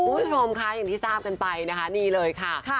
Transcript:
คุณผู้ชมค่ะอย่างที่ทราบกันไปนะคะนี่เลยค่ะ